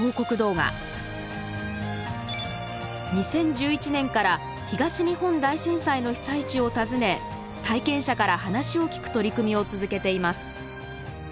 ２０１１年から東日本大震災の被災地を訪ね体験者から話を聴く取り組みを続けています。